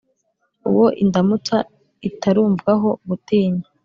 Uwo indamutsa itarumvwaho gutinya,